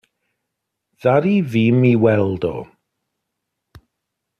Ddaru fi 'm i weld o.